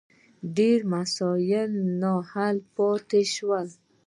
ډېر مسایل نا حل پاتې شول.